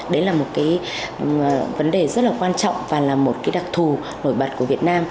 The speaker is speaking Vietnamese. đấy là một vấn đề rất là quan trọng và là một đặc thù nổi bật của việt nam